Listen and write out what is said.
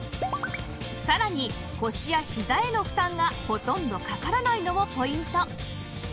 さらに腰やひざへの負担がほとんどかからないのもポイント